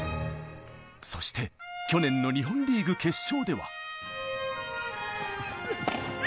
そして、去年の日本リーグ決勝では。